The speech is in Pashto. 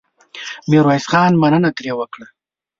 ميرويس خان مننه ترې وکړه.